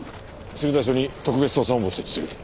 墨田署に特別捜査本部を設置する。